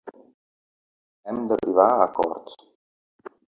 Hem d’arribar a acords.